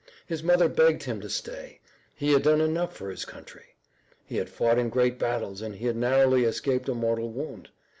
His mother begged him to stay. He had done enough for his country. He had fought in great battles, and he had narrowly escaped a mortal wound.